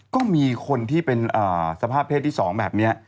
ก็มีคนที่เป็นสภาพเพศที่๒แบบนี้